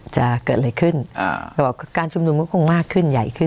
จะเกิดอะไรขึ้นเราบอกการชุมนุมก็คงมากขึ้นใหญ่ขึ้น